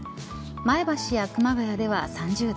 前橋や熊谷では３０度。